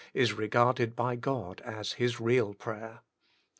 is regarded by God as his real prayer.